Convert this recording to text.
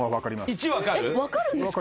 分かるんですか！？